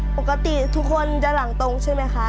ปกติทุกคนจะหลังตรงใช่ไหมคะ